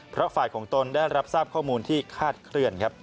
เพราะฝ่ายของตนได้รับทราบข้อมูลที่คาดเคลื่อนครับ